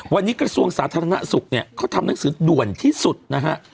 วันนี้กระทรวงสาธารณสุขเนี่ยเขาทำหนังสือด่วนที่สุดนะฮะ